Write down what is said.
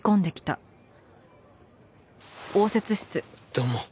どうも。